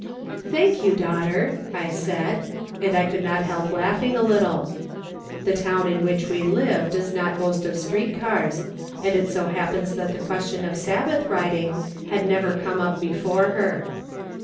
" Thank you, daughter," I said, and I could not help laughing a little. The town in which we live does not boast of street cars, and it so happens that the question of Sabbath riding had never come up before her.